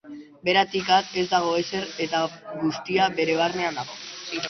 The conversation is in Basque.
Beratik at ez dago ezer eta guztia Bere barnean dago.